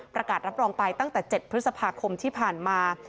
รับรองไปตั้งแต่๗พฤษภาคมที่ผ่านมา